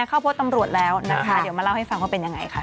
เข้าพบตำรวจแล้วนะคะเดี๋ยวมาเล่าให้ฟังว่าเป็นยังไงค่ะ